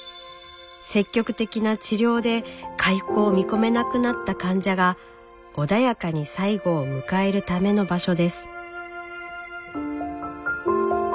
積極的な治療で回復を見込めなくなった患者が穏やかに最期を迎えるための場所です。